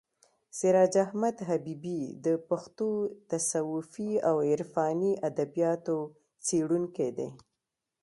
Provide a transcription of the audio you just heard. سراج احمد حبیبي د پښتو تصوفي او عرفاني ادبیاتو څېړونکی دی.